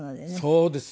そうです。